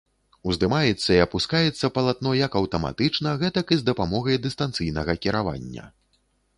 Уздымаецца і апускаецца палатно як аўтаматычна, гэтак і з дапамогай дыстанцыйнага кіравання.